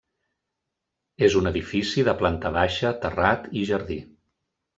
És un edifici de planta baixa, terrat i jardí.